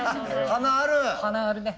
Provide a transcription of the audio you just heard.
華あるね。